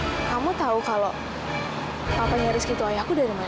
dan kamu tahu kalau papanya rizky itu ayahku dari mana